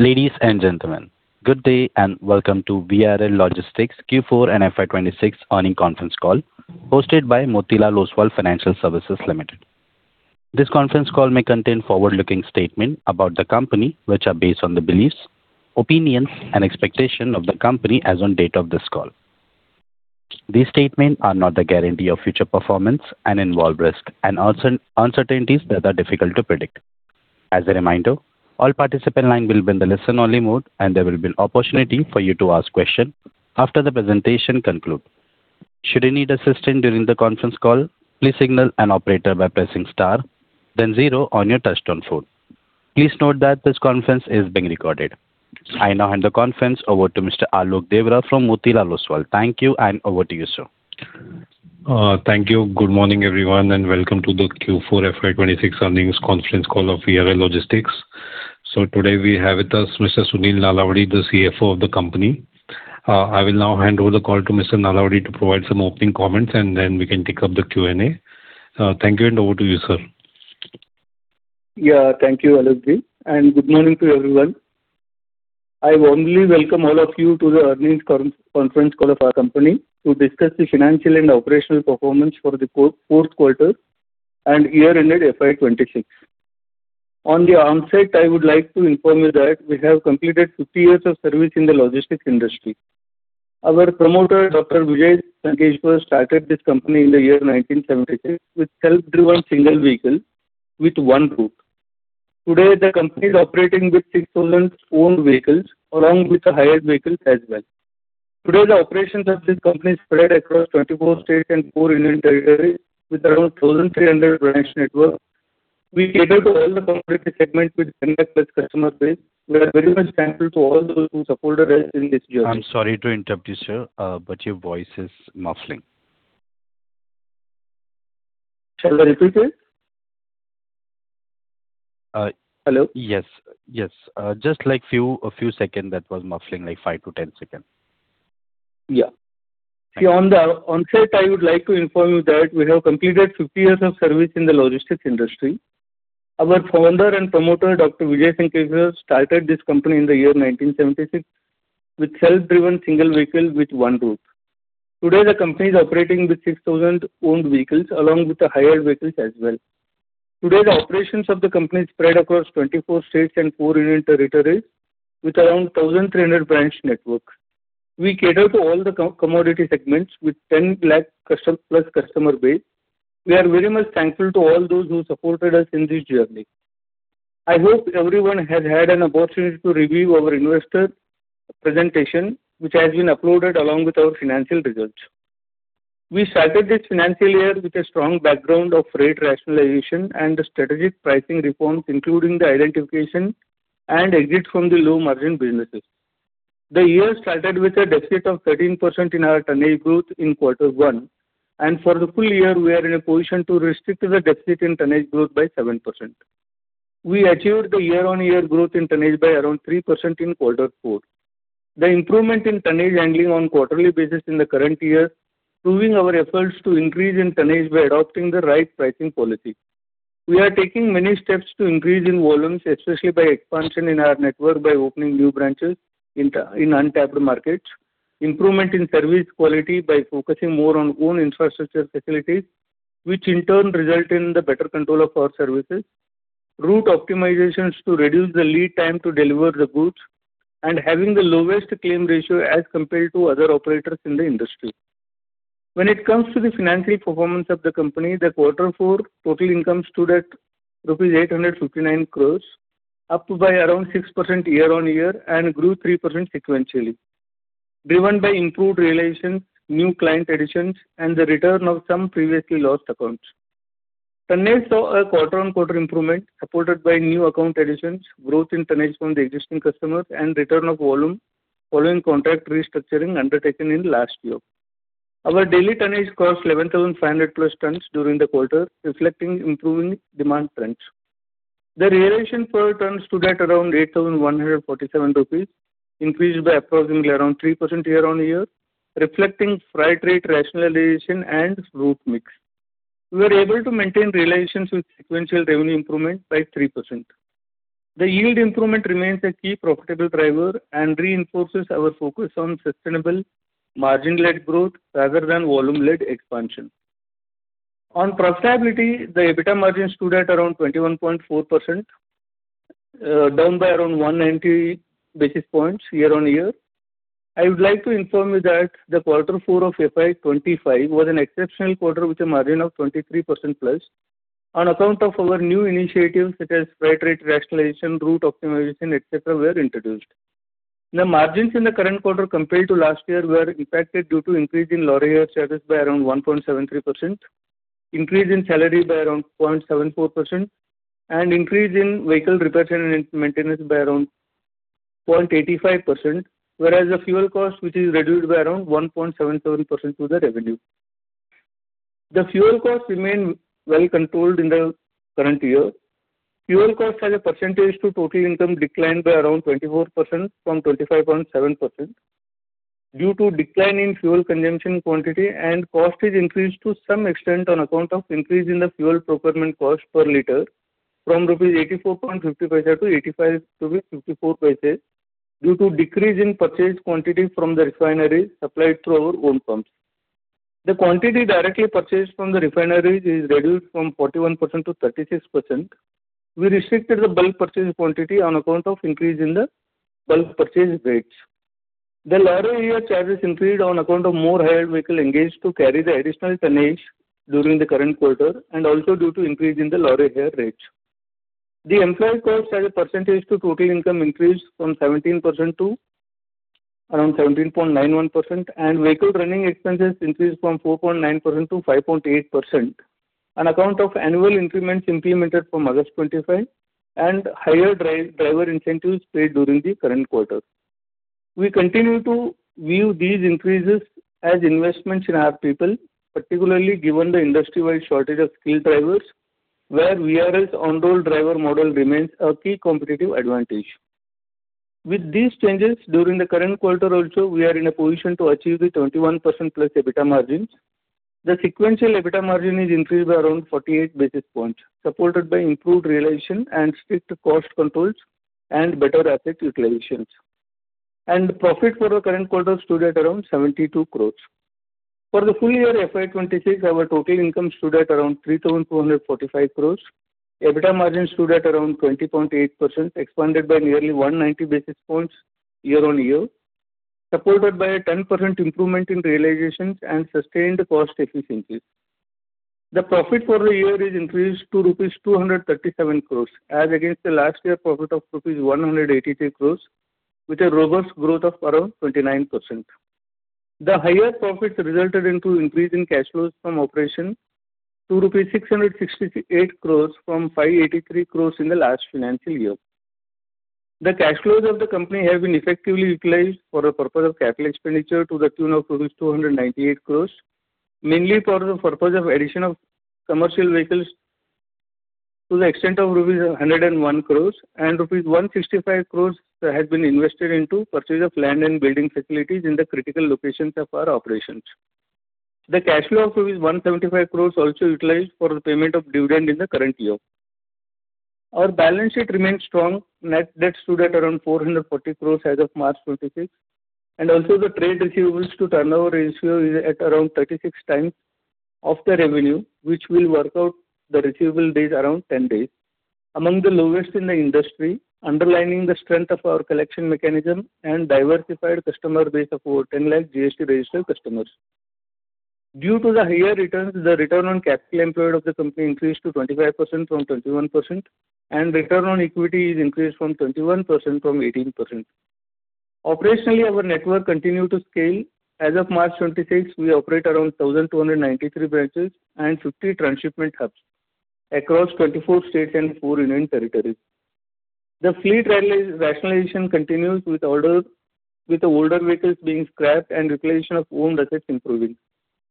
Ladies and gentlemen, good day and welcome to VRL Logistics Q4 and FY 2026 Earnings Conference Call hosted by Motilal Oswal Financial Services Ltd. This conference call may contain forward-looking statement about the company, which are based on the beliefs, opinions, and expectation of the company as on date of this call. These statement are not the guarantee of future performance and involve risk and uncertainties that are difficult to predict. As a reminder, all participant line will be in the listen-only mode, and there will be opportunity for you to ask question after the presentation conclude. Should you need assistance during the conference call, please signal an operator by pressing star then zero on your touch-tone phone. Please note that this conference is being recorded. I now hand the conference over to Mr. Alok Deora from Motilal Oswal. Thank you and over to you, sir. Thank you. Good morning, everyone, and welcome to the Q4 FY 2026 earnings conference call of VRL Logistics. Today we have with us Mr. Sunil Nalavadi, the CFO of the company. I will now hand over the call to Mr. Nalavadi to provide some opening comments, and then we can take up the Q&A. Thank you and over to you, sir. Thank you, Alok ji, and good morning to everyone. I warmly welcome all of you to the earnings conference call of our company to discuss the financial and operational performance for the fourth quarter and year-ended FY 2026. On the onset, I would like to inform you that we have completed 50 years of service in the logistics industry. Our promoter, Dr. Vijay Sankeshwar, started this company in the year 1976 with self-driven single vehicle with one route. Today, the company is operating with 6,000 owned vehicles, along with the hired vehicles as well. Today, the operations of this company spread across 24 states and four union territories with around 1,300 branch network. We cater to all the commodity segments with 10 lakh+ customer base. We are very much thankful to all those who supported us in this journey. I'm sorry to interrupt you, sir. Your voice is muffling. Shall I repeat it? Hello? Yes. Yes. just like few, a few second that was muffling, like 5 to 10 second. On the onset, I would like to inform you that we have completed 50 years of service in the logistics industry. Our founder and promoter, Dr. Vijay Sankeshwar, started this company in the year 1976 with self-driven single vehicle with one route. Today, the company is operating with 6,000 owned vehicles, along with the hired vehicles as well. Today, the operations of the company spread across 24 states and four union territories with around 1,300 branch network. We cater to all the co-commodity segments with 10 lakh+ customer base. We are very much thankful to all those who supported us in this journey. I hope everyone has had an opportunity to review our investor presentation, which has been uploaded along with our financial results. We started this financial year with a strong background of rate rationalization and the strategic pricing reforms, including the identification and exit from the low margin businesses. The year started with a deficit of 13% in our tonnage growth in quarter one, and for the full year, we are in a position to restrict the deficit in tonnage growth by 7%. We achieved the year-over-year growth in tonnage by around 3% in quarter four. The improvement in tonnage handling on quarterly basis in the current year, proving our efforts to increase in tonnage by adopting the right pricing policy. We are taking many steps to increase in volumes, especially by expansion in our network by opening new branches in untapped markets, improvement in service quality by focusing more on own infrastructure facilities which in turn result in the better control of our services, route optimizations to reduce the lead time to deliver the goods, and having the lowest claim ratio as compared to other operators in the industry. When it comes to the financial performance of the company, the quarter four total income stood at INR 859 crores, up by around 6% year-on-year and grew 3% sequentially. Driven by improved realizations, new client additions, and the return of some previously lost accounts. Tonnage saw a quarter-on-quarter improvement supported by new account additions, growth in tonnage from the existing customers and return of volume following contract restructuring undertaken in last year. Our daily tonnage crossed 11,500+ tons during the quarter, reflecting improving demand trends. The realization per ton stood at around 8,147 rupees, increased by approximately around 3% year-on-year, reflecting freight rate rationalization and route mix. We were able to maintain realizations with sequential revenue improvement by 3%. The yield improvement remains a key profitable driver and reinforces our focus on sustainable margin-led growth rather than volume-led expansion. On profitability, the EBITDA margin stood at around 21.4%, down by around 190 basis points year-on-year. I would like to inform you that the quarter four of FY 2025 was an exceptional quarter with a margin of 23%+ on account of our new initiatives such as freight rate rationalization, route optimization, et cetera, were introduced. The margins in the current quarter compared to last year were impacted due to increase in lorry hire charges by around 1.73%, increase in salary by around 0.74%, and increase in vehicle repair and maintenance by around 0.85%. The fuel cost, which is reduced by around 1.77% to the revenue. The fuel cost remain well controlled in the current year. Fuel cost as a percentage to total income declined by around 24% from 25.7%. Due to decline in fuel consumption quantity and cost is increased to some extent on account of increase in the fuel procurement cost per liter from rupees 84.50 to 85.54 rupees due to decrease in purchase quantity from the refineries supplied through our own pumps. The quantity directly purchased from the refineries is reduced from 41% to 36%. We restricted the bulk purchase quantity on account of increase in the bulk purchase rates. The lorry hire charges increased on account of more hired vehicle engaged to carry the additional tonnage during the current quarter, and also due to increase in the lorry hire rates. The employee cost as a percentage to total income increased from 17% to around 17.91%, and vehicle running expenses increased from 4.9% to 5.8% on account of annual increments implemented from August 25 and higher driver incentives paid during the current quarter. We continue to view these increases as investments in our people, particularly given the industry-wide shortage of skilled drivers, where VRL's on-roll driver model remains a key competitive advantage. With these changes during the current quarter also, we are in a position to achieve the 21%+ EBITDA margins. The sequential EBITDA margin is increased by around 48 basis points, supported by improved realization and strict cost controls and better asset utilizations. Profit for the current quarter stood at around 72 crores. For the full year FY 2026, our total income stood at around 3,245 crores. EBITDA margin stood at around 20.8%, expanded by nearly 190 basis points year-on-year, supported by a 10% improvement in realizations and sustained cost efficiencies. The profit for the year is increased to rupees 237 crores as against the last year profit of rupees 183 crores with a robust growth of around 29%. The higher profits resulted into increase in cash flows from operation to INR 668 crores from INR 583 crores in the last financial year. The cash flows of the company have been effectively utilized for the purpose of capital expenditure to the tune of 298 crores rupees, mainly for the purpose of addition of commercial vehicles to the extent of rupees 101 crores and rupees 165 crores has been invested into purchase of land and building facilities in the critical locations of our operations. The cash flow of 175 crores also utilized for the payment of dividend in the current year. Our balance sheet remains strong. Net debt stood at around 440 crore as of March 26, and also the trade receivables to turnover ratio is at around 36 times of the revenue, which will work out the receivable days around 10 days, among the lowest in the industry, underlining the strength of our collection mechanism and diversified customer base of over 10 lakh GST registered customers. Due to the higher returns, the return on capital employed of the company increased to 25% from 21%, and return on equity is increased from 21% from 18%. Operationally, our network continued to scale. As of March 26, we operate around 1,293 branches and 50 transshipment hubs across 24 states and four union territories. The fleet rally rationalization continues with the older vehicles being scrapped and utilization of own assets improving.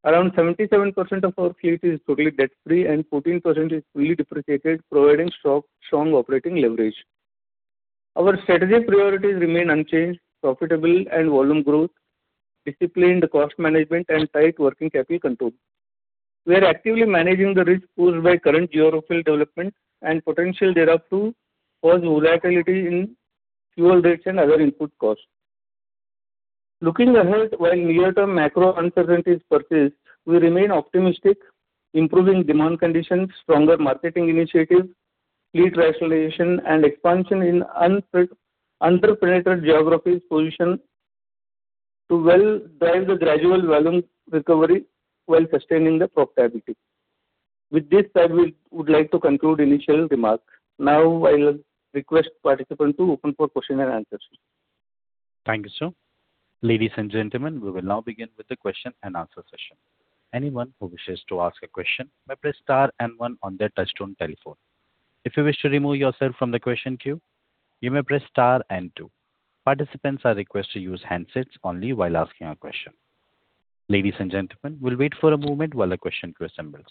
Around 77% of our fleet is totally debt-free and 14% is fully depreciated, providing strong operating leverage. Our strategic priorities remain unchanged: profitable and volume growth, disciplined cost management, and tight working capital control. We are actively managing the risk posed by current geopolitical developments and potential thereof to cause volatility in fuel rates and other input costs. Looking ahead, while near-term macro uncertainties persist, we remain optimistic, improving demand conditions, stronger marketing initiatives, fleet rationalization, and expansion in under-penetrated geographies position to well drive the gradual volume recovery while sustaining the profitability. With this, I would like to conclude initial remarks. I'll request participant to open for question and answers. Thank you, sir. Ladies and gentlemen, we will now begin with the question and answer session. Anyone who wishes to ask a question may press star and one on their touch-tone telephone. If you wish to remove yourself from the question queue, you may press star and two. Participants are requested to use handsets only while asking a question. Ladies and gentlemen, we'll wait for a moment while the question queue assembles.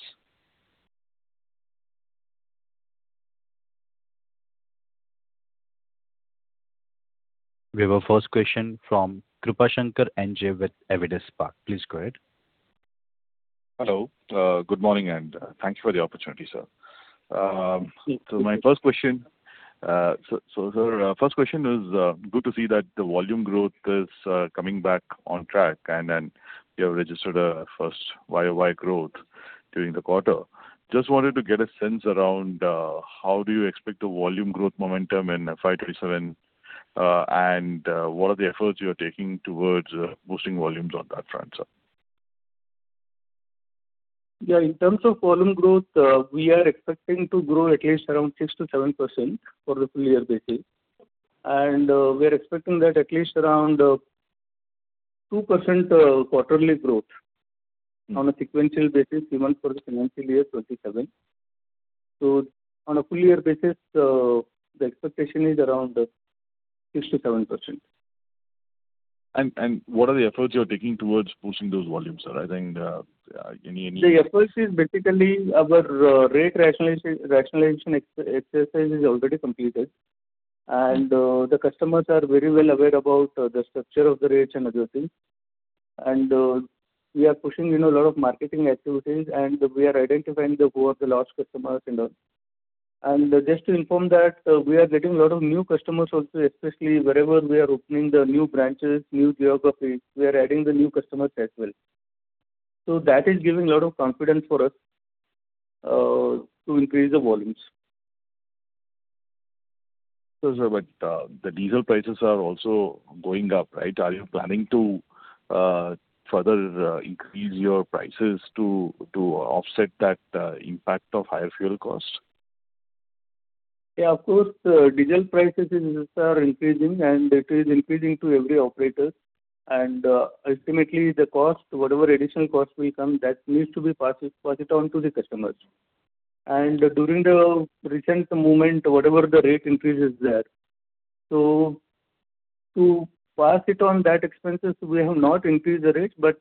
We have our first question from Krupashankar NJ with Avendus Spark. Please go ahead. Hello. Good morning, and thank you for the opportunity, sir. My first question is good to see that the volume growth is coming back on track and you have registered a first YoY growth during the quarter. Just wanted to get a sense around how do you expect the volume growth momentum in FY 2027, and what are the efforts you are taking towards boosting volumes on that front, sir? Yeah, in terms of volume growth, we are expecting to grow at least around 6%-7% for the full year basis. We are expecting that at least around 2% quarterly growth on a sequential basis even for the financial year 2027. On a full year basis, the expectation is around 6%-7%. What are the efforts you are taking towards boosting those volumes, sir? I think. The efforts is basically our rate rationalization exercise is already completed. The customers are very well aware about the structure of the rates and other things. We are pushing, you know, a lot of marketing activities, and we are identifying the who are the lost customers and all. Just to inform that, we are getting a lot of new customers also, especially wherever we are opening the new branches, new geographies, we are adding the new customers as well. That is giving a lot of confidence for us to increase the volumes. Sir, the diesel prices are also going up, right? Are you planning to further increase your prices to offset that impact of higher fuel costs? Yeah, of course. Diesel prices are increasing, it is increasing to every operator. Ultimately the cost, whatever additional cost will come, that needs to be passed it on to the customers. During the recent movement, whatever the rate increase is there. To pass it on that expenses, we have not increased the rates, but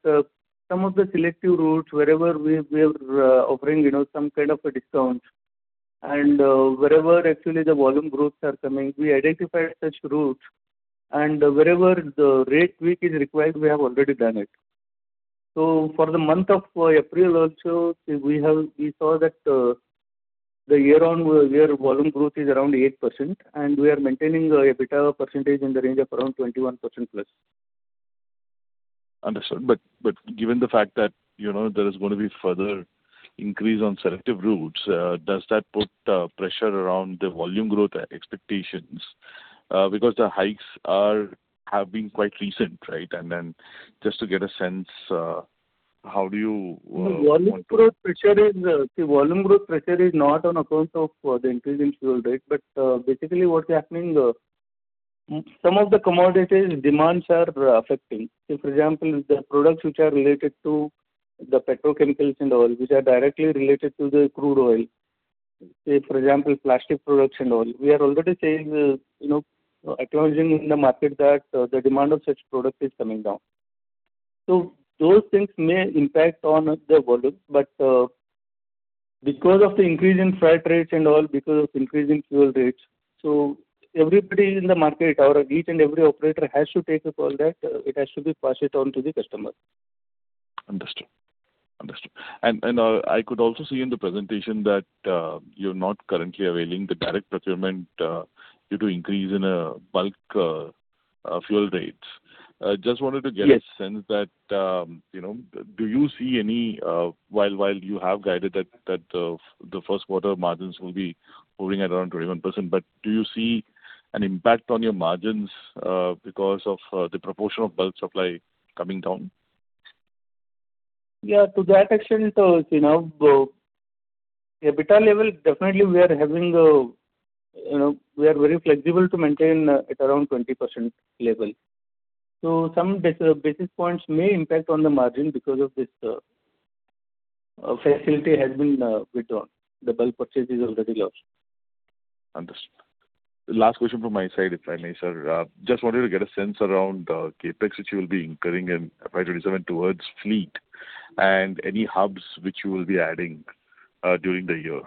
some of the selective routes wherever we are offering, you know, some kind of a discount. Wherever actually the volume growths are coming, we identify such routes, wherever the rate tweak is required, we have already done it. For the month of April also, we saw that the year-on-year volume growth is around 8%, we are maintaining EBITDA percentage in the range of around 21%+. Understood. Given the fact that, you know, there is going to be further increase on selective routes, does that put pressure around the volume growth expectations? Because the hikes have been quite recent, right? Just to get a sense, how do you want to. No, volume growth pressure is, see volume growth pressure is not on account of the increase in fuel rate. Basically what's happening, some of the commodities demands are affecting. Say, for example, the products which are related to the petrochemicals and all, which are directly related to the crude oil. Say, for example, plastic products and all. We are already saying, you know, acknowledging in the market that the demand of such products is coming down. Those things may impact on the volume. Because of the increase in freight rates and all because of increase in fuel rates, so everybody in the market or each and every operator has to take up all that. It has to be passed it on to the customer. Understood. Understood. I could also see in the presentation that, you're not currently availing the direct procurement, due to increase in bulk fuel rates. Just wanted to get- Yes. A sense that, you know, do you see any, while you have guided that, the first quarter margins will be hovering at around 21%, but do you see an impact on your margins, because of, the proportion of bulk supply coming down? Yeah, to that extent, you know, EBITDA level definitely we are having, you know, we are very flexible to maintain at around 20% level. Some basis points may impact on the margin because of this facility has been withdrawn. The bulk purchase is already lost. Understood. Last question from my side, if I may, sir. Just wanted to get a sense around CapEx which you will be incurring in FY 2027 towards fleet and any hubs which you will be adding during the year.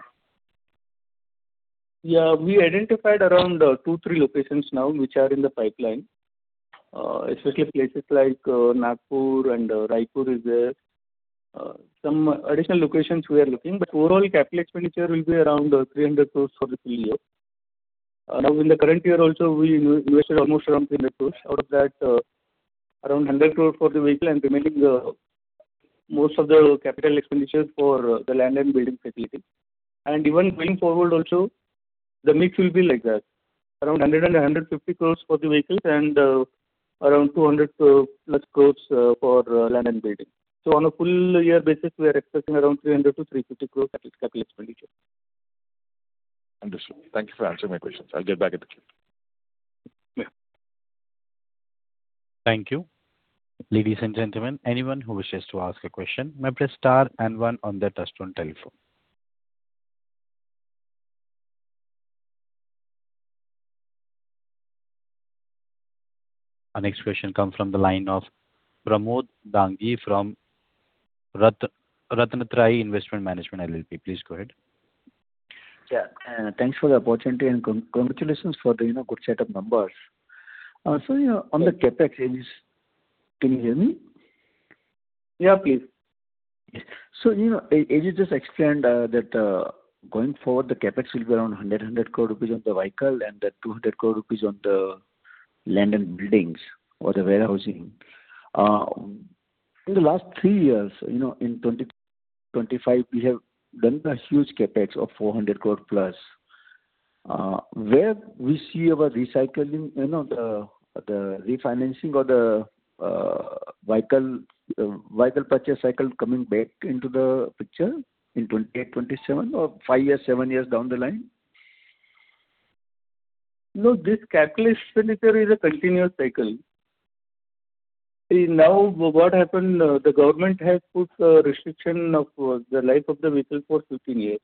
Yeah. We identified around two, three locations now which are in the pipeline. Especially places like Nagpur and Raipur is there. Some additional locations we are looking, but overall capital expenditure will be around 300 crores for this full year. Now in the current year also we invested almost around 300 crores. Out of that, around 100 crore for the vehicle and remaining, most of the capital expenditures for the land and building facility. Even going forward also the mix will be like that. Around 100 crores-150 crores for the vehicles and, around 200+ crores, for land and building. On a full year basis, we are expecting around 300 crores-350 crores capital expenditure. Understood. Thank you for answering my questions. I'll get back in the queue. Yeah. Thank you. Ladies and gentlemen, anyone who wishes to ask a question may press star and one on their touch-tone telephone. Our next question comes from the line of Pramod Dangi from Ratnatrayi Investment Management LLP. Please go ahead. Yeah. Thanks for the opportunity and congratulations for the, you know, good set of numbers. You know, on the CapEx, Sunil, can you hear me? Yeah, please. Yes. You know, NJ just explained that going forward the CapEx will be around 100 crore rupees on the vehicle and that 200 crore rupees on the land and buildings or the warehousing. In the last three years, you know, in 2025 we have done a huge CapEx of INR 400+ crore. Where we see our recycling, you know, the refinancing or the vehicle purchase cycle coming back into the picture in 2027 or five years, seven years down the line? No, this capital expenditure is a continuous cycle. See now what happened, the government has put a restriction of the life of the vehicle for 15 years.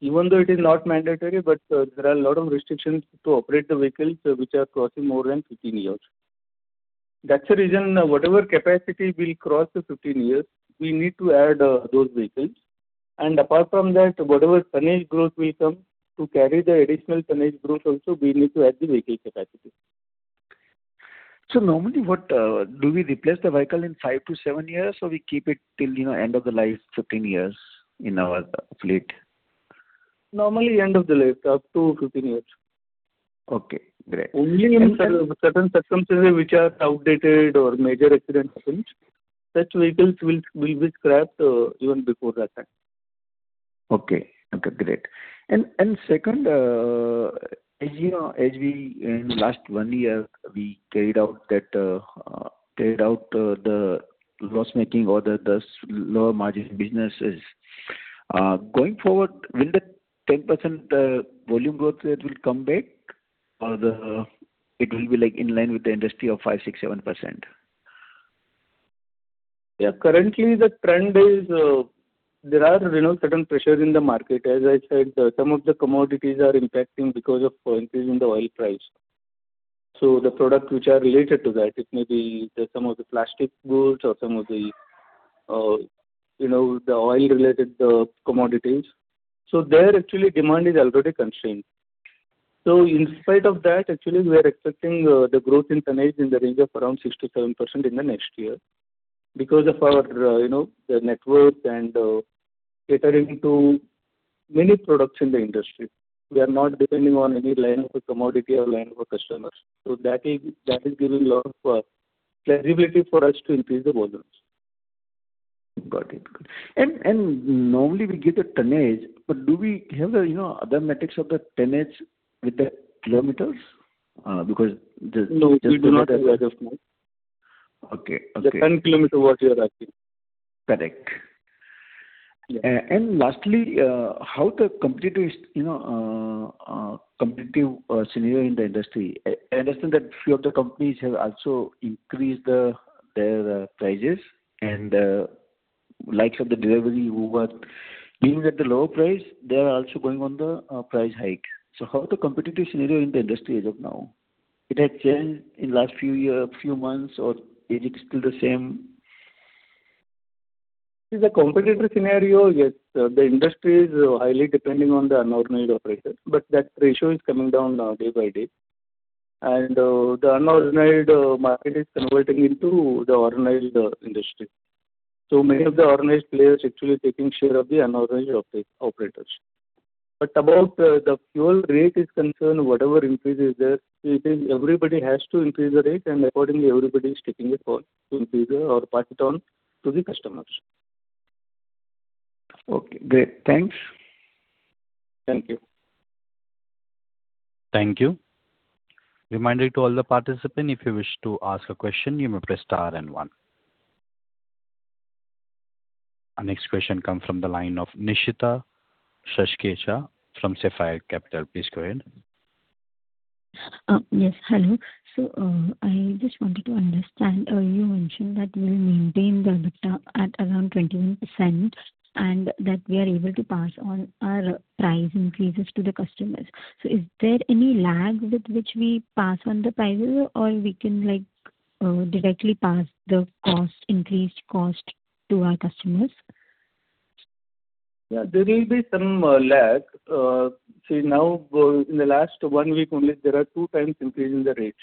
Even though it is not mandatory, but there are a lot of restrictions to operate the vehicles which are crossing more than 15 years. That's the reason whatever capacity will cross the 15 years, we need to add those vehicles. Apart from that, whatever tonnage growth will come, to carry the additional tonnage growth also we need to add the vehicle capacity. Normally, do we replace the vehicle in five to seven years, or we keep it till, you know, end of the life, 15 years in our fleet? Normally end of the life, up to 15 years. Okay, great. Only in certain circumstances which are outdated or major accident happens, such vehicles will be scrapped even before that time. Okay. Okay, great. Second, as you know, as we in last one year carried out the loss-making or the lower margin businesses. Going forward, will the 10% volume growth rate come back or the it will be like in line with the industry of 5%, 6%, 7%? Yeah, currently the trend is, there are, you know, certain pressures in the market. As I said, some of the commodities are impacting because of increase in the oil price. The product which are related to that, it may be the some of the plastic goods or some of the, you know, the oil related commodities. In spite of that, actually we are expecting the growth in tonnage in the range of around 6%-7% in the next year because of our, you know, the network and catering to many products in the industry. We are not depending on any line of a commodity or line of a customer. That is, that is giving lot of flexibility for us to increase the volumes. Got it. Normally we get a tonnage, but do we have the, you know, other metrics of the tonnage with the kilometers? No, we do not as of now. Okay. Okay. The tonne-kilometre was your asking. Correct. Yeah. Lastly, how the competitive, you know, scenario in the industry. I understand that few of the companies have also increased their prices and likes of Delhivery who were giving at the lower price, they are also going on the price hike. How the competitive scenario in the industry as of now? It has changed in last few year, few months, or is it still the same? The competitor scenario, yes, the industry is highly dependent on the unorganized operators, but that ratio is coming down day by day. The unorganized market is converting into the organized industry. Many of the organized players actually taking share of the unorganized operators. About the fuel rate is concerned, whatever increase is there, it is everybody has to increase the rate and accordingly everybody is taking a call to increase it or pass it on to the customers. Okay, great. Thanks. Thank you. Thank you. Reminder to all the participant, if you wish to ask a question, you may press star then one. Our next question come from the line of [Nishita Shashikesha] from Safire Capital. Please go ahead. Yes, hello. I just wanted to understand, you mentioned that we'll maintain the EBITDA at around 21% and that we are able to pass on our price increases to the customers. Is there any lag with which we pass on the prices or we can like, directly pass the cost, increased cost to our customers? Yeah, there will be some lag. See now, in the last one week only there are two times increase in the rate.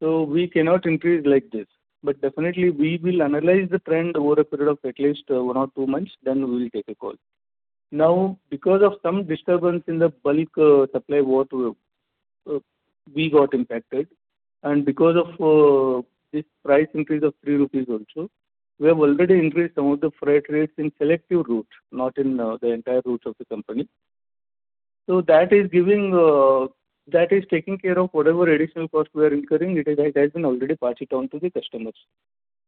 We cannot increase like this. But definitely we will analyze the trend over a period of at least one or two months, then we will take a call. Now, because of some disturbance in the bulk supply route we got impacted. Because of this price increase of 3 rupees also, we have already increased some of the freight rates in selective routes, not in the entire routes of the company. That is giving, that is taking care of whatever additional cost we are incurring. It has been already passed it on to the customers.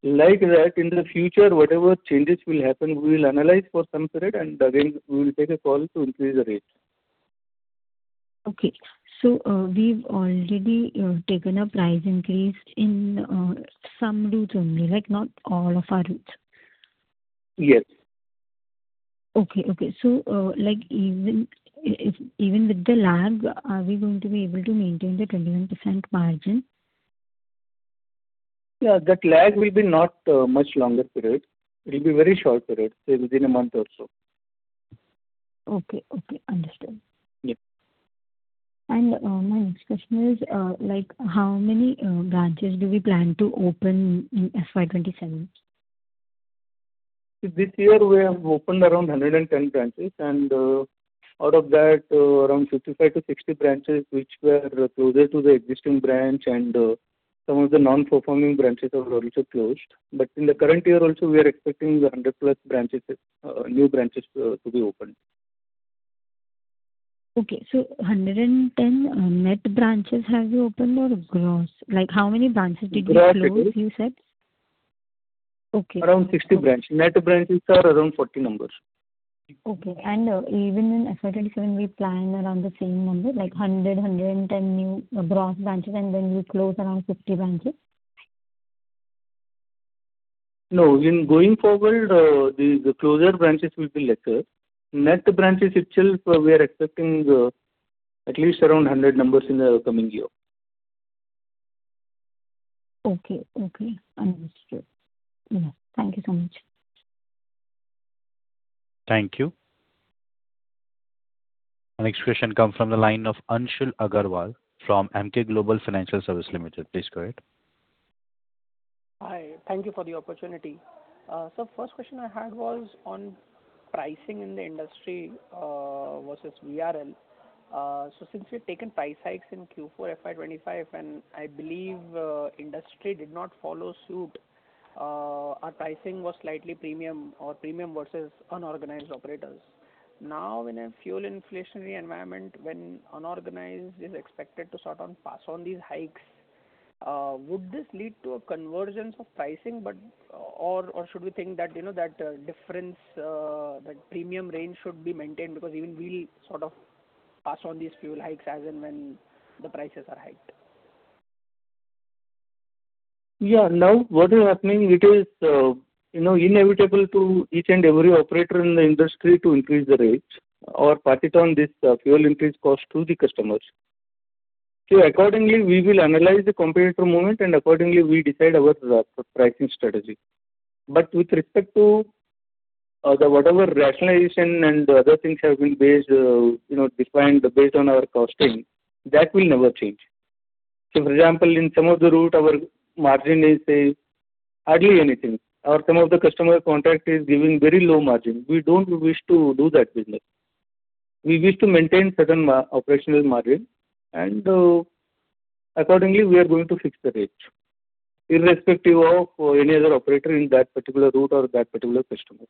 Like that, in the future, whatever changes will happen, we will analyze for some period and again we will take a call to increase the rates. Okay. we've already taken a price increase in some routes only, like not all of our routes? Yes. Okay, okay. Like even with the lag, are we going to be able to maintain the 21% margin? Yeah, that lag will be not much longer period. It will be very short period, say within a month or so. Okay. Understood. Yeah. My next question is, like how many branches do we plan to open in FY 2027? This year we have opened around 110 branches, and out of that, around 55-60 branches which were closer to the existing branch and some of the non-performing branches are also closed. In the current year also we are expecting 100+ branches, new branches, to be opened. Okay. 110 net branches have you opened or gross? Like how many branches did you close, you said? Gross branches. Okay. Around 60 branches. Net branches are around 40 numbers. Okay. Even in FY 2027 we plan around the same number, like 100, 110 new gross branches and then we close around 50 branches? No, in going forward, the closure branches will be lesser. Net branches itself, we are expecting at least around 100 numbers in the coming year. Okay. Okay. Understood. Yeah. Thank you so much. Thank you. Our next question comes from the line of Anshul Agrawal from Emkay Global Financial Services Ltd. Please go ahead. Hi. Thank you for the opportunity. First question I had was on pricing in the industry versus VRL. Since we've taken price hikes in Q4 FY 2025, and I believe industry did not follow suit, our pricing was slightly premium or premium versus unorganized operators. Now, in a fuel inflationary environment, when unorganized is expected to sort on pass on these hikes, would this lead to a convergence of pricing, but or should we think that, you know, that difference, that premium range should be maintained because even we'll sort of pass on these fuel hikes as and when the prices are hiked? Yeah. Now what is happening, it is, you know, inevitable to each and every operator in the industry to increase the rates or pass it on this fuel increase cost to the customers. Accordingly, we will analyze the competitor movement, and accordingly we decide our pricing strategy. With respect to the whatever rationalization and the other things have been based, you know, defined based on our costing, that will never change. For example, in some of the route, our margin is, say, hardly anything, or some of the customer contract is giving very low margin. We don't wish to do that business. We wish to maintain certain operational margin and accordingly, we are going to fix the rates irrespective of any other operator in that particular route or that particular customer.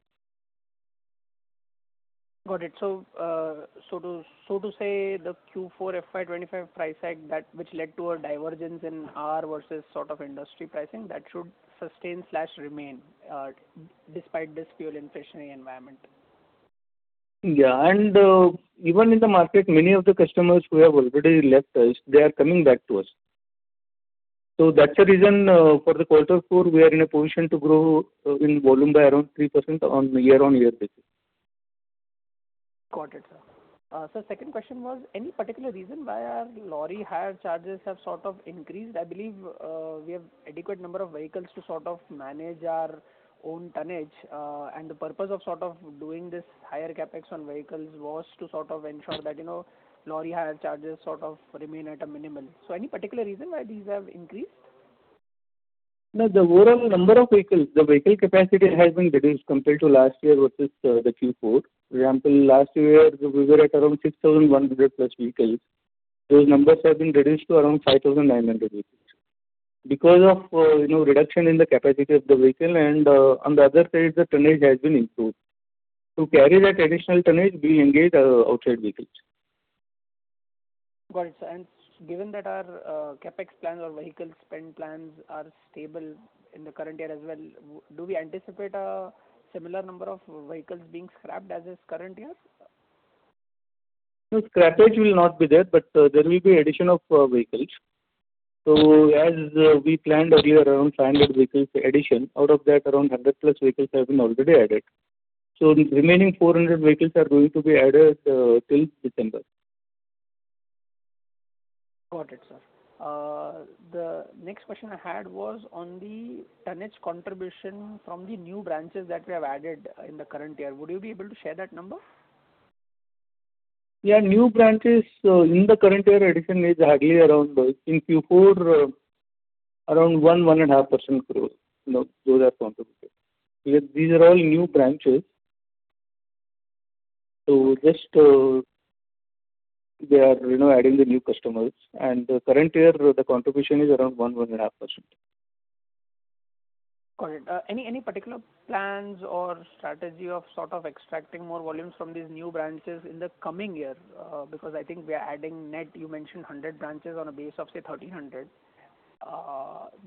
Got it. To say the Q4 FY 2025 price hike that which led to a divergence in our versus sort of industry pricing, that should sustain slash remain despite this fuel inflationary environment. Yeah. Even in the market, many of the customers who have already left us, they are coming back to us. That's the reason, for the quarter four we are in a position to grow, in volume by around 3% on year-on-year basis. Got it, sir. Second question was any particular reason why our lorry hire charges have sort of increased? I believe we have adequate number of vehicles to sort of manage our own tonnage. The purpose of sort of doing this higher CapEx on vehicles was to sort of ensure that, you know, lorry hire charges sort of remain at a minimum. Any particular reason why these have increased? No, the overall number of vehicles, the vehicle capacity has been reduced compared to last year versus the Q4. For example, last year we were at around 6,100+ vehicles. Those numbers have been reduced to around 5,900 vehicles. Because of, you know, reduction in the capacity of the vehicle and, on the other side, the tonnage has been improved. To carry that additional tonnage, we engage outside vehicles. Got it, sir. Given that our CapEx plan or vehicle spend plans are stable in the current year as well, do we anticipate a similar number of vehicles being scrapped as this current year, sir? No scrappage will not be there, but there will be addition of vehicles. As we planned earlier around 500 vehicles addition, out of that around 100+ vehicles have been already added. The remaining 400 vehicles are going to be added till December. Got it, sir. The next question I had was on the tonnage contribution from the new branches that we have added in the current year. Would you be able to share that number? Yeah, new branches, in the current year addition is hardly around, in Q4, around 1.5% growth. You know, those are contributed. These are all new branches. Just, they are, you know, adding the new customers. The current year, the contribution is around 1.5%. Got it. Any particular plans or strategy of sort of extracting more volumes from these new branches in the coming year? Because I think we are adding net, you mentioned 100 branches on a base of say 1,300.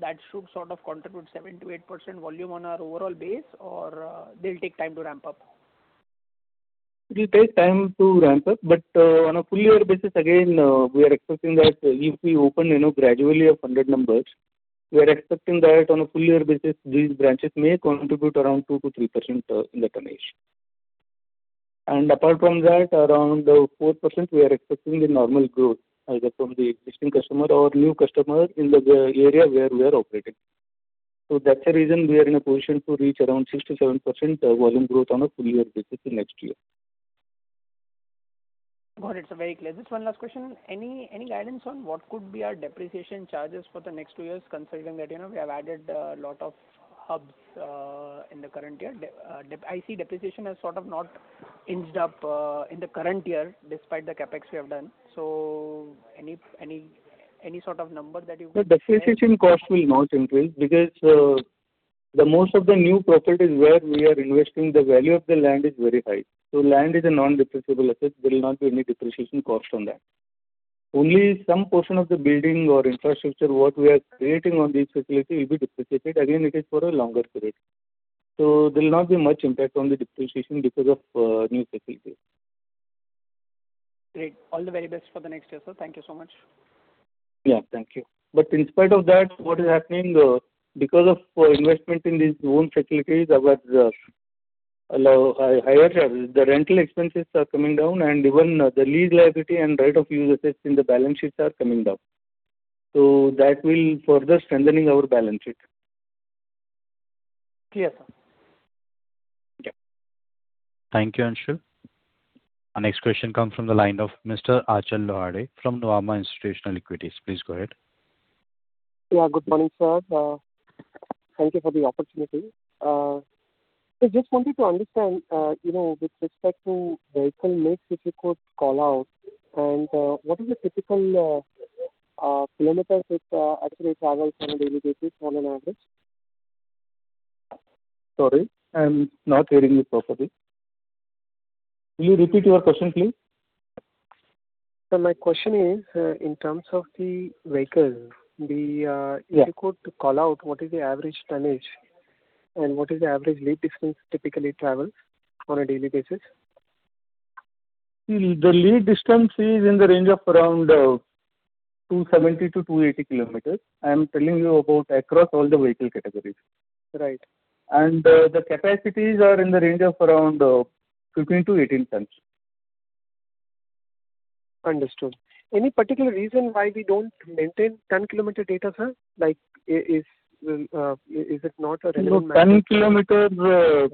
That should sort of contribute 7%-8% volume on our overall base, or, they'll take time to ramp up? It will take time to ramp up. On a full year basis, again, we are expecting that if we open, you know, gradually 100 numbers, we are expecting that on a full year basis, these branches may contribute around 2%-3% in the tonnage. Apart from that, around 4% we are expecting the normal growth either from the existing customer or new customer in the area where we are operating. That's the reason we are in a position to reach around 6%-7% volume growth on a full year basis in next year. Got it, sir. Very clear. Just one last question. Any guidance on what could be our depreciation charges for the next two years, considering that, you know, we have added a lot of hubs in the current year. I see depreciation has sort of not inched up in the current year despite the CapEx we have done. Any sort of number that you could share? The depreciation cost will not increase because the most of the new properties where we are investing the value of the land is very high. Land is a non-depreciable asset. There will not be any depreciation cost on that. Only some portion of the building or infrastructure what we are creating on these facilities will be depreciated. Again, it is for a longer period. There will not be much impact on the depreciation because of new facilities. Great. All the very best for the next year, sir. Thank you so much. Yeah, thank you. In spite of that, what is happening, because of investment in these own facilities, our lorry hire, the rental expenses are coming down, and even the lease liability and right-of-use in the balance sheets are coming down. That will further strengthening our balance sheet. Clear, sir. Yeah. Thank you, Anshu. Our next question comes from the line of Mr. Achal Lohade from Nuvama Institutional Equities. Please go ahead. Yeah, good morning, sir. Thank you for the opportunity. Just wanted to understand, you know, with respect to vehicle mix, if you could call out, and what is the typical kilometers which actually travels on a daily basis on an average? Sorry, I'm not hearing you properly. Will you repeat your question, please? Sir, my question is, in terms of the vehicles. Yeah. If you could call out what is the average tonnage and what is the average lead distance typically travels on a daily basis? The lead distance is in the range of around, 270 km-280 km. I am telling you about across all the vehicle categories. Right. The capacities are in the range of around, 15 tons-18 tons. Understood. Any particular reason why we don't maintain tonne-kilometre data, sir? Like, is it not a relevant metric? No, tonne-kilometre,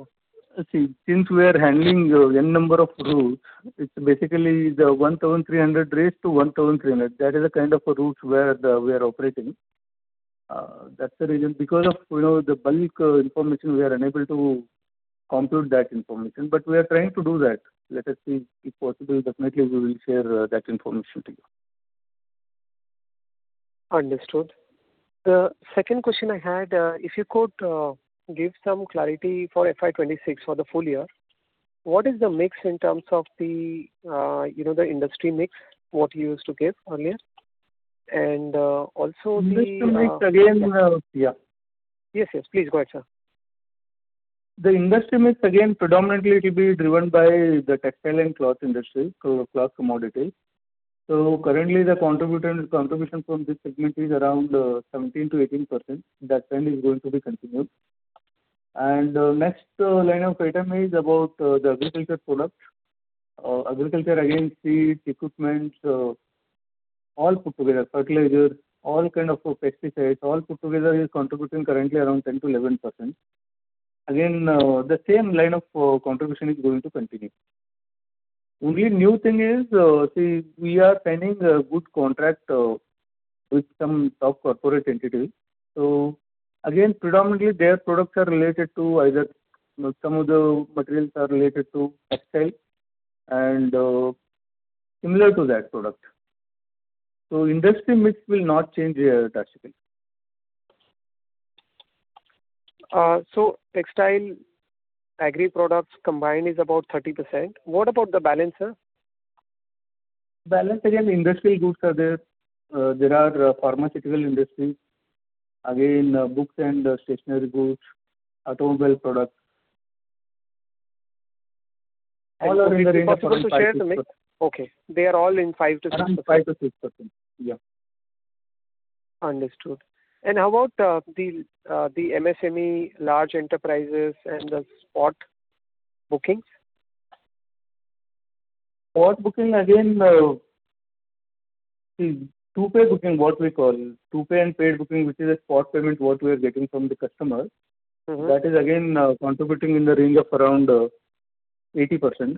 see, since we are handling N number of routes, it's basically the 1,300 raised to 1,300. That is the kind of routes where we are operating. That's the reason. Because of, you know, the bulk information, we are unable to conclude that information. We are trying to do that. Let us see. If possible, definitely we will share that information to you. Understood. The second question I had, if you could give some clarity for FY 2026 for the full year, what is the mix in terms of the, you know, the industry mix, what you used to give earlier? Industry mix again, Yeah. Yes, yes. Please go ahead, sir. The industry mix, again, predominantly it'll be driven by the textile and cloth industry, so cloth commodities. Currently, the contributor contribution from this segment is around 17%-18%. That trend is going to be continued. Next line of item is about the agriculture products. Agriculture, again, seeds, equipment, all put together. Fertilizers, all kind of pesticides, all put together is contributing currently around 10%-11%. The same line of contribution is going to continue. Only new thing is, see, we are signing a good contract with some top corporate entities. Predominantly their products are related to either, you know, some of the materials are related to textile and similar to that product. Industry mix will not change drastically. Textile, agri products combined is about 30%. What about the balance, sir? Balance, again, industrial goods are there. There are pharmaceutical industries. Again, books and stationery goods, automobile products. All are in the range of 5%-6%. Is it possible to share the mix? Okay. They are all in 5%-6%. Around 5%-6%. Yeah. Understood. How about the MSME large enterprises and the spot bookings? Spot booking, again, to-pay booking, what we call. To-pay and paid booking, which is a spot payment what we are getting from the customer. That is again, contributing in the range of around, 80%.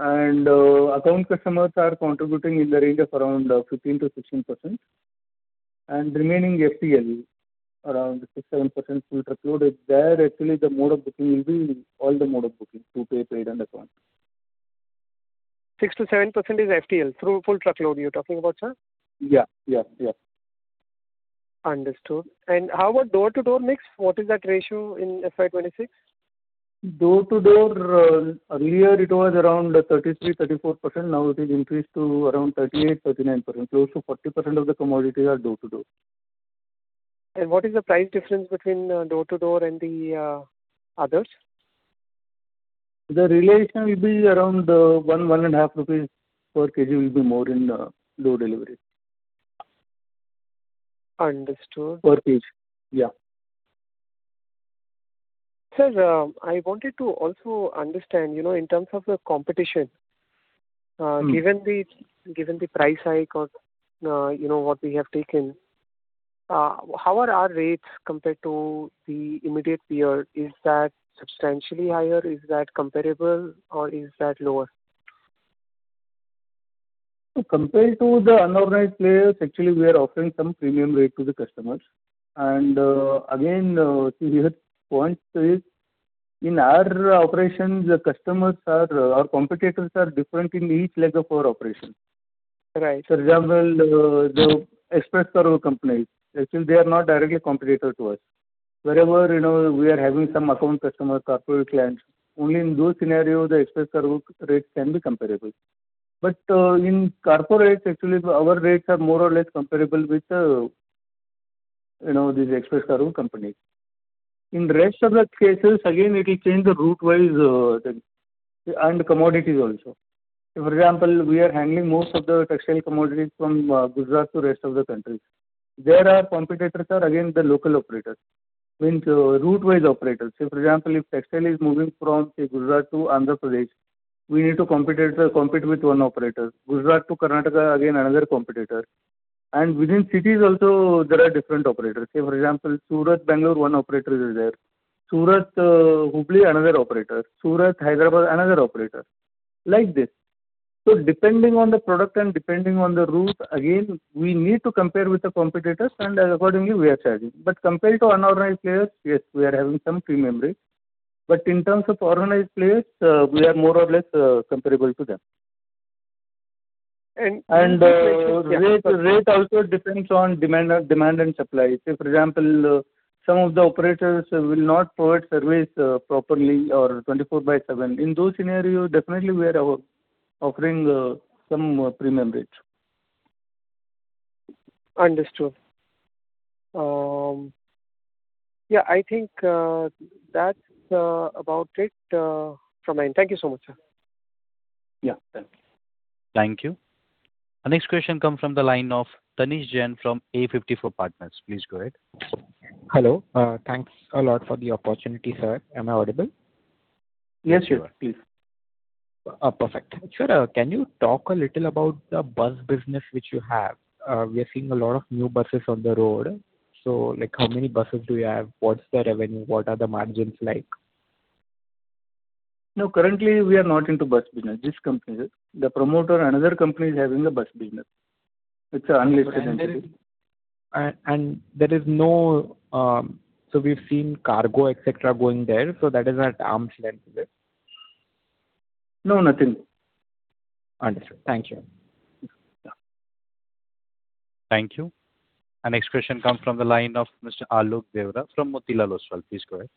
And, account customers are contributing in the range of around, 15%-16%. And remaining FTL, around 6%-7% full truck load. There actually the mode of booking will be all the mode of booking, to-pay, paid, and account. 6%-7% is FTL, through full truck load you're talking about, sir? Yeah. Yeah. Yeah. Understood. How about door-to-door mix? What is that ratio in FY 2026? Door-to-door, earlier it was around 33%-34%. Now it is increased to around 38%-39%. Close to 40% of the commodities are door-to-door. What is the price difference between door-to-door and the others? The relation will be around 1.5 rupees per kg will be more in door delivery. Understood. Per kg. Yeah. Sir, I wanted to also understand, you know, in terms of the competition. Given the price hike or, you know, what we have taken, how are our rates compared to the immediate peer? Is that substantially higher? Is that comparable or is that lower? Compared to the unorganized players, actually we are offering some premium rate to the customers. Again, see the point is, in our operations, Our competitors are different in each leg of our operation. Right. For example, the express cargo companies, actually they are not directly competitor to us. Wherever, you know, we are having some account customer, corporate clients, only in those scenario the express cargo rates can be comparable. In corporate, actually our rates are more or less comparable with, you know, these express cargo companies. In rest of the cases, again, it will change route wise and commodities also. Say, for example, we are handling most of the textile commodities from Gujarat to rest of the country. There our competitors are again the local operators, means route wise operators. Say, for example, if textile is moving from, say, Gujarat to Andhra Pradesh, we need to competitor compete with one operator. Gujarat to Karnataka, again, another competitor. Within cities also there are different operators. Say, for example, Surat, Bangalore, one operator is there. Surat, Hubli, another operator. Surat, Hyderabad, another operator. Like this. Depending on the product and depending on the route, again, we need to compare with the competitors, and accordingly we are charging. Compared to unorganized players, yes, we are having some premium rates. In terms of organized players, we are more or less, comparable to them. And- Rate also depends on demand and supply. Say, for example, some of the operators will not provide service properly or 24/7. In those scenario, definitely we are offering some premium rates. Understood. Yeah, I think that's about it from my end. Thank you so much, sir. Yeah, thank you. Thank you. Our next question comes from the line of [Tanish Jain from A54 Partners]. Please go ahead. Hello. Thanks a lot for the opportunity, sir. Am I audible? Yes, sure. Please. Perfect. Sir, can you talk a little about the bus business which you have? We are seeing a lot of new buses on the road. Like how many buses do you have? What's the revenue? What are the margins like? No, currently we are not into bus business, this company. The promoter, another company is having a bus business. It's a unlisted entity. There is no. We've seen cargo, et cetera, going there, so that is at arm's length there. No, nothing. Understood. Thank you. Yeah. Thank you. Our next question comes from the line of Mr. Alok Deora from Motilal Oswal. Please go ahead.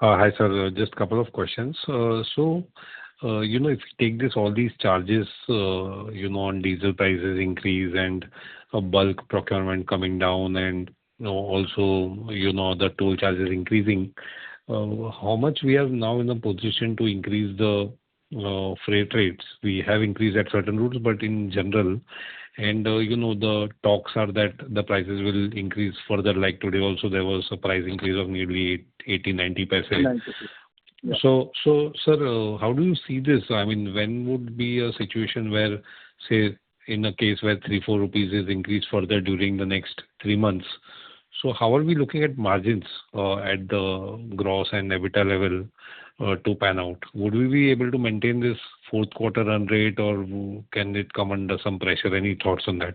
Hi sir. Just couple of questions. You know, if you take this, all these charges, you know, on diesel prices increase and bulk procurement coming down and, you know, also, you know, the toll charges increasing, how much we are now in a position to increase the freight rates? We have increased at certain routes, but in general, and, you know, the talks are that the prices will increase further. Like today also there was a price increase of nearly 0.80-0.90. INR 0.90. Yeah. Sir, how do you see this? I mean, when would be a situation where, say, in a case where 3 rupees, 4 rupees is increased further during the next three months. How are we looking at margins at the gross and EBITDA level to pan out? Would we be able to maintain this fourth quarter run rate or can it come under some pressure? Any thoughts on that?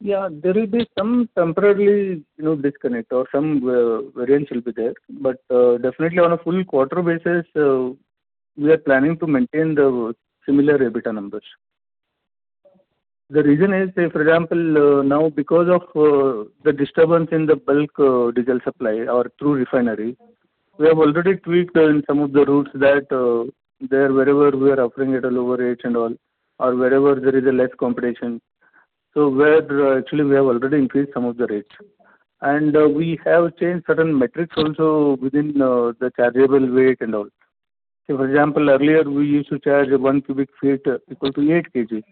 Yeah. There will be some temporarily, you know, disconnect or some variance will be there. Definitely on a full quarter basis, we are planning to maintain the similar EBITDA numbers. The reason is, say, for example, now because of the disturbance in the bulk diesel supply or through refinery, we have already tweaked in some of the routes that wherever we are offering at a lower rates and all, or wherever there is a less competition. Where actually we have already increased some of the rates. We have changed certain metrics also within the chargeable weight and all. Say, for example, earlier we used to charge 1 cu ft equal to 8 kg.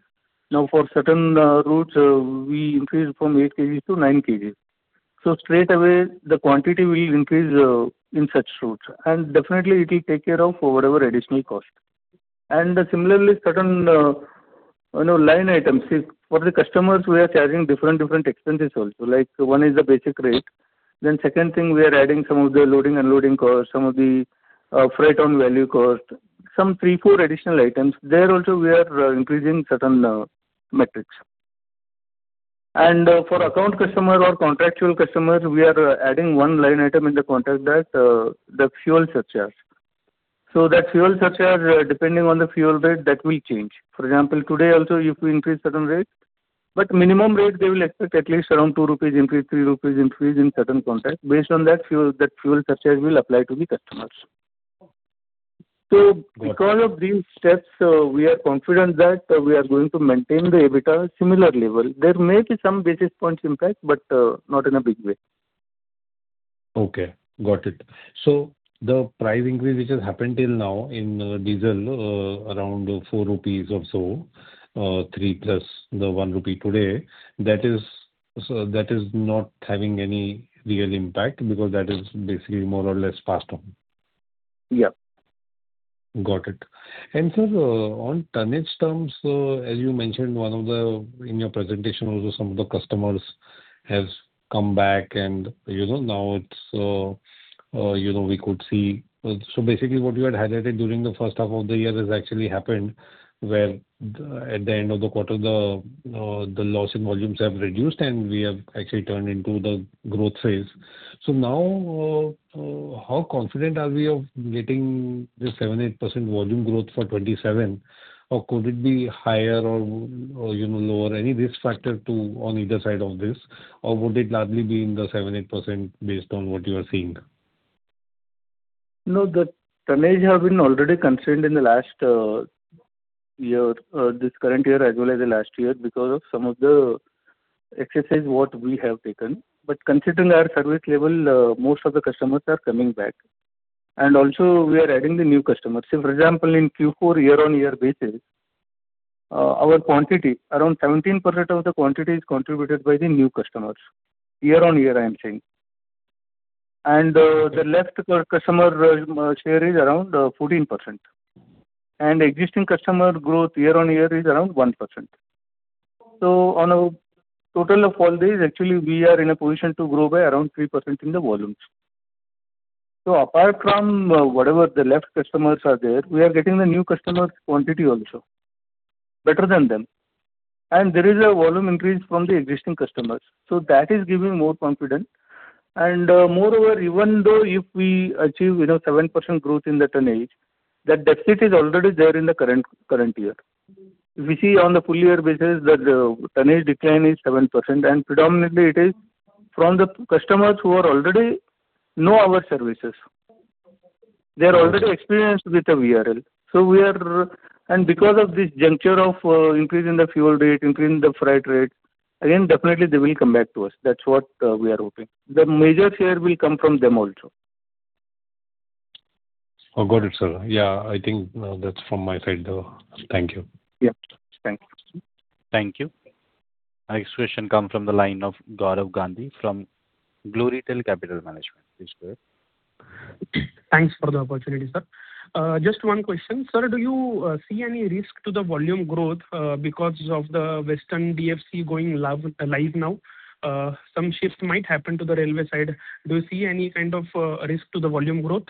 Now, for certain routes, we increase from 8 kg to 9 kg. Straightaway the quantity will increase in such routes. Definitely it will take care of whatever additional cost. Similarly certain, you know, line items. See, for the customers we are charging different expenses also. Like one is the basic rate. Second thing, we are adding some of the loading, unloading cost, some of the freight on value cost. Some three, four additional items. There also we are increasing certain metrics. For account customer or contractual customer, we are adding one line item in the contract that the fuel surcharge. That fuel surcharge, depending on the fuel rate, that will change. For example, today also if we increase certain rate, but minimum rate they will expect at least around 2 rupees increase, 3 rupees increase in certain contract. Based on that fuel, that fuel surcharge will apply to the customers. Because of these steps, we are confident that we are going to maintain the EBITDA similar level. There may be some basis points impact, but not in a big way. Okay. Got it. The price increase which has happened till now in diesel, around 4 rupees or so, 3+ the 1 rupee today, that is not having any real impact because that is basically more or less passed on. Yeah. Got it. Sir, on tonnage terms, as you mentioned, one of the in your presentation also some of the customers has come back and, you know, now it's, you know, we could see. Basically what you had highlighted during the first half of the year has actually happened, where at the end of the quarter the loss in volumes have reduced, and we have actually turned into the growth phase. Now, how confident are we of getting this 7%, 8% volume growth for 2027? Or could it be higher or, you know, lower? Any risk factor to on either side of this? Or would it largely be in the 7%, 8% based on what you are seeing? No, the tonnage have been already constrained in the last year, this current year as well as the last year because of some of the exercises what we have taken. Considering our service level, most of the customers are coming back, and also we are adding the new customers. Say, for example, in Q4 year-over-year basis, our quantity, around 17% of the quantity is contributed by the new customers. Year-over-year, I am saying. The left customer share is around 14%. Existing customer growth year-over-year is around 1%. On a total of all these, actually we are in a position to grow by around 3% in the volumes. Apart from whatever the left customers are there, we are getting the new customers' quantity also, better than them. There is a volume increase from the existing customers, so that is giving more confidence. Moreover, even though if we achieve, you know, 7% growth in the tonnage, that deficit is already there in the current year. We see on a full year basis that the tonnage decline is 7%, and predominantly it is from the customers who are already know our services. They are already experienced with the VRL. We are because of this juncture of increase in the fuel rate, increase in the freight rate, again, definitely they will come back to us. That's what we are hoping. The major share will come from them also. I've got it, sir. Yeah, I think, that's from my side, though. Thank you. Yep. Thank you. Thank you. Next question come from the line of [Gaurav Gandhi] from Blue Retail Capital Management. Please go ahead. Thanks for the opportunity, sir. Just one question. Sir, do you see any risk to the volume growth because of the Western DFC going live now? Some shifts might happen to the railway side. Do you see any kind of risk to the volume growth?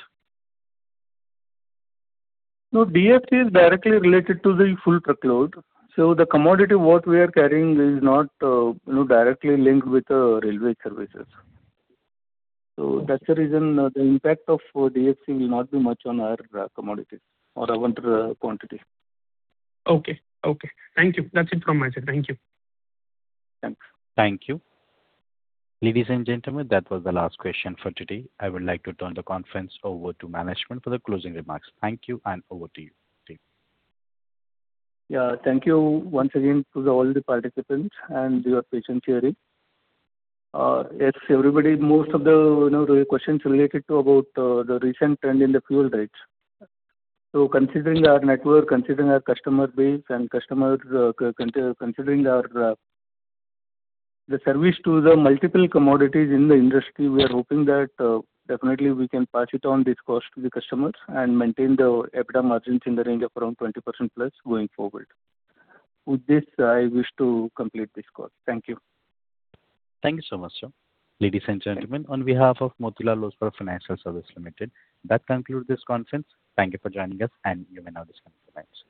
DFC is directly related to the full truckload, the commodity what we are carrying is not, you know, directly linked with the railway services. That's the reason, the impact of DFC will not be much on our commodities or our quantity. Okay. Okay. Thank you. That's it from my side. Thank you. Thanks. Thank you. Ladies and gentlemen, that was the last question for today. I would like to turn the conference over to management for the closing remarks. Thank you, and over to you, team. Yeah. Thank you once again to all the participants and your patience hearing. Yes, everybody, most of the, you know, the questions related to about the recent trend in the fuel rates. Considering our network, considering our customer base and customers, considering our the service to the multiple commodities in the industry, we are hoping that definitely we can pass it on this cost to the customers and maintain the EBITDA margins in the range of around 20%+ going forward. With this, I wish to complete this call. Thank you. Thank you so much, sir. Ladies and gentlemen, on behalf of Motilal Oswal Financial Services Ltd, that concludes this conference. Thank you for joining us, and you may now disconnect the lines.